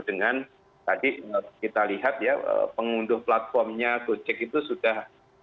dengan tadi kita lihat ya pengunduh platformnya gojek itu sudah